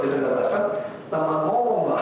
jadi kita katakan teman mau nggak